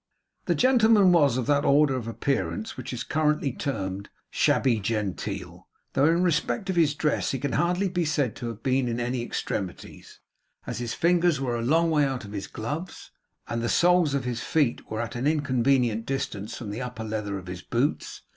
The gentleman was of that order of appearance which is currently termed shabby genteel, though in respect of his dress he can hardly be said to have been in any extremities, as his fingers were a long way out of his gloves, and the soles of his feet were at an inconvenient distance from the upper leather of his boots.